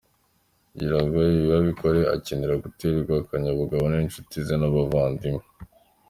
Kugira ngo ibi abikore akenera guterwa akanyabugabo n’incuti ze n’abavandimwe.